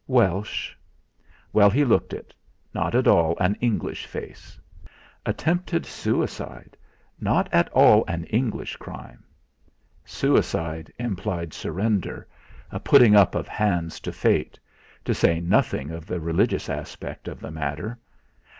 Welsh! Well, he looked it not at all an English face. Attempted suicide not at all an English crime! Suicide implied surrender, a putting up of hands to Fate to say nothing of the religious aspect of the matter.